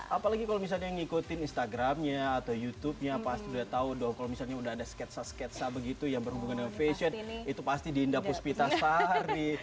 apalagi kalau misalnya yang ngikutin instagramnya atau youtubenya pasti udah tahu dong kalau misalnya udah ada sketsa sketsa begitu yang berhubungan dengan fashion itu pasti dinda puspita sahari